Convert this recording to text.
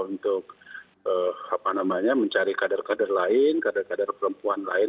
untuk mencari kader kader lain kader kader perempuan lain